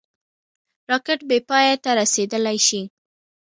راکټ بېپای ته رسېدلای شي